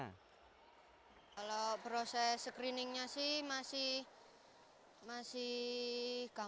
hai kalau proses screening nya sih masih masih